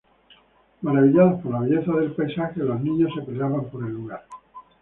Maravillados por la belleza del paisaje, los niños se peleaban por el lugar.